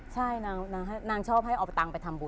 ใช่นางชอบให้เอาไปตังไปทำบุญ